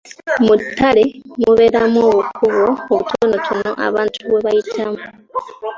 Mu ttale mubeeramu obukubo obutonotono abantu bwe bayitamu.